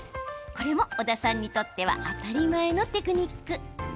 これも小田さんにとっては当たり前のテクニック。